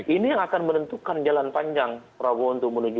ini yang akan menentukan jalan panjang prabowo untuk menuju dua ribu dua puluh empat